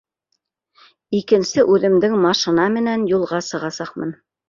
Икенсе үҙемдең машина менән юлға сығасаҡмын